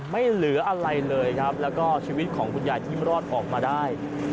ไม่เหลืออะไรเลยและชีวิตของคุณใหญ่ที่รอดออกมาได้